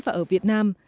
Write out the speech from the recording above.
và ở việt nam